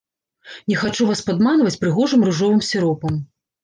Не хачу вас падманваць прыгожым ружовым сіропам.